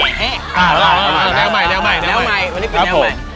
แนววันนี้เป็นแนวใหม่